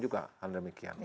juga hal demikian